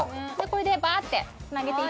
これでバーッて。